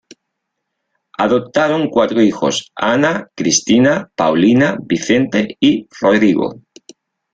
Adoptaron cuatro hijos: Ana Cristina, Paulina, Vicente y Rodrigo.